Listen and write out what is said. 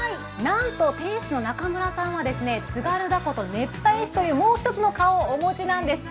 なんと店主の中村さんは、津軽凧とねぷた絵師というもう一つの顔をお持ちです。